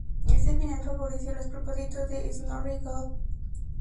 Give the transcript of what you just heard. Este final favoreció los propósitos de Snorri Goði.